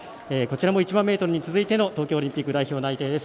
１００００ｍに続いての東京オリンピック代表内定です。